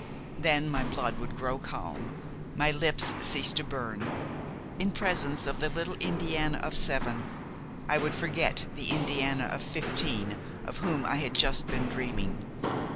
Then my blood would grow calm, my lips cease to burn. In presence of the little Indiana of seven I would forget the Indiana of fifteen of whom I had just been dreaming.